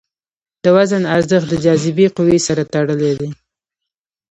د وزن ارزښت د جاذبې قوې سره تړلی دی.